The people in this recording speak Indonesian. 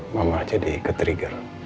mama jadi ketrigger